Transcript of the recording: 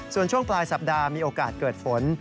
ส่วนช่วงปลายสัปดาห์มีโอกาสเกิดฝน